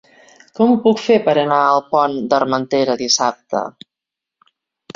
Com ho puc fer per anar al Pont d'Armentera dissabte?